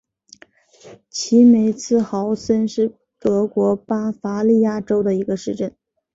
齐梅茨豪森是德国巴伐利亚州的一个市镇。